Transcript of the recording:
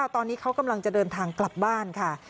ตอนนี้เขากำลังจะเดินทางกลับบ้านค่ะ